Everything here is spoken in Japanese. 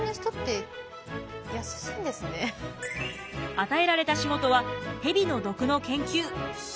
与えられた仕事は蛇の毒の研究。